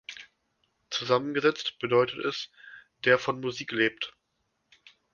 Zusammengesetzt bedeutet es „der von Musik lebt“.